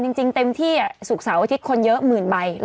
จานจริงเต็มที่สุขเสาอาทิตย์คนเยอะหมื่นใบ